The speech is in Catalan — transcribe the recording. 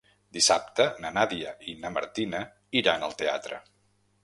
Dissabte na Nàdia i na Martina iran al teatre.